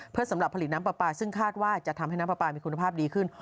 เพื่อสำหรับผลิตน้ำปลาปลาซึ่งคาดว่าจะทำให้น้ำปลาปลามีคุณภาพดีขึ้น